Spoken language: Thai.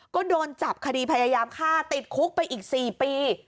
ก็โดนจับคดีพยายามฆ่าติดคุกไปอีก๔ปี